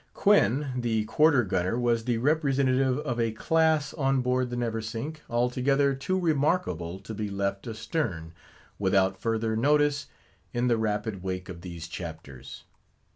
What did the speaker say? Quoin, the quarter gunner, was the representative of a class on board the Neversink, altogether too remarkable to be left astern, without further notice, in the rapid wake of these chapters.